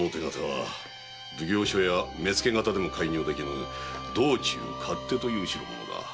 奉行所や目付方でも介入できぬ“道中勝手”という代物だ。